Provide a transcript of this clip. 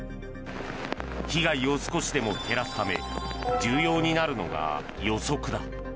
被害を少しでも減らすため重要になるのが予測だ。